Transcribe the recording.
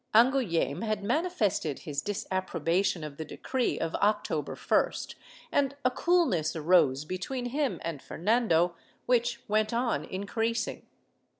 Angouleme had manifested his disappro bation of the decree of October 1st, and a coolness arose between him and Fernando, which went on increasing.